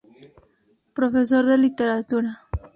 Profesor de Literatura.